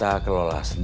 ya ada tiga orang